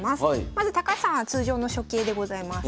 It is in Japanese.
まず高橋さんは通常の初形でございます。